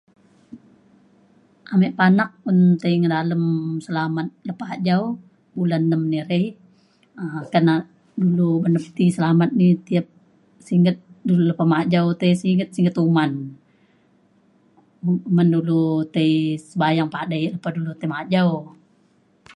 ame panak un tai ka dalem selamat lepah ajau bulan nem ni rei um tei na'at dulu men ti selamat ni tiap singget du lepah majau ti singget singget uman. ban dulu tei sebayang padai lepa dulu tei majau